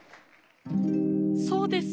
「そうです。